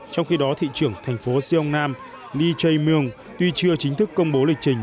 trong khi đó thị trưởng thành phố siêu nam lee jae myung tuy chưa chính thức công bố lịch trình